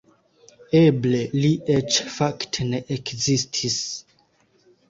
Eble li eĉ fakte ne ekzistis.